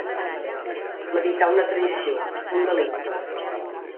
Meditar una traïció, un delicte.